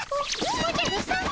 おおじゃるさま？